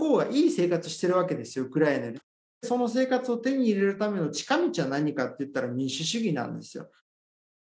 その生活を手に入れるための近道は何かといったら民主主義なんですよ。